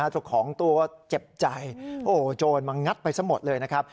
เจ้าของตัวเจ็บใจโอ้โหโจรมางัดไปซะหมดเลยนะครับ